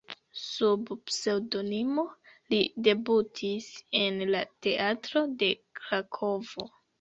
Sub pseŭdonimo li debutis en la teatro de Krakovo.